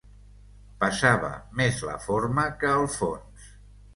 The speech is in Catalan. Pesava més la forma que el fons.